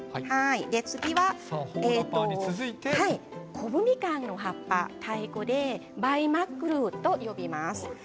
次はコブミカンの葉っぱ、タイ語でバイマックルーと呼びます。